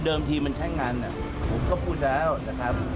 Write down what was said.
ทีมันใช้งานผมก็พูดแล้วนะครับ